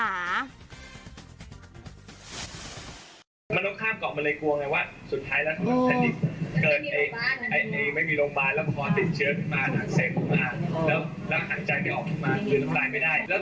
มันต้องข้ามกล่องมะลายกลัวไงว่า